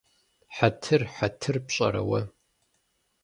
Хьэтыр… Хьэтыр пщӀэрэ уэ?